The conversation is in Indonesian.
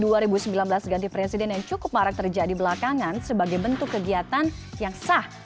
di dua ribu sembilan belas ganti presiden yang cukup marak terjadi belakangan sebagai bentuk kegiatan yang sah